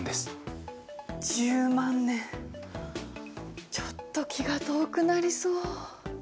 １０万年ちょっと気が遠くなりそう。